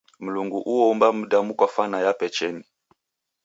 Mlungu oumba mdamu kwa fwana yape cheni.